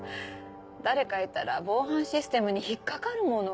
誰かいたら防犯システムに引っ掛かるもの。